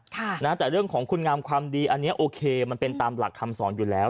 แต่เรื่องของคุณงามความดีอันนี้โอเคมันเป็นตามหลักคำสอนอยู่แล้ว